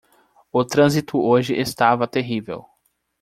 O trânsito hoje estava terrível.